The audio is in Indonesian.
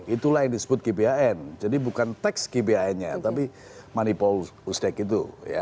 itulah yang disebut gbhn jadi bukan teks gbhn nya tapi manipul ustac itu